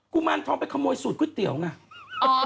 ุมารทองไปขโมยสูตรก๋วยเตี๋ยวไง